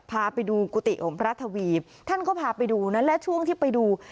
พาไปดูกุฏิของพระทวีท่านก็พาไปดูนะและช่วงที่ไปดู